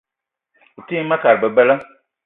O te yi ma kat bebela.